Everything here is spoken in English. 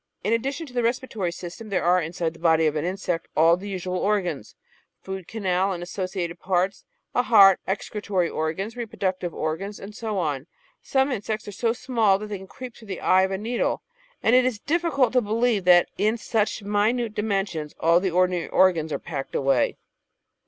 In addition to the respiratory system there are inside the body of the insect all the usual organs — food canal and associated parts, a heart, excretory organs, reproductive organs, and so on. Some insects are so small that they can creep through the eye of a needle, and it is difficult to believe that in such minute dimensions all the ordinary organs are packed away.